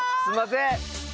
すいません。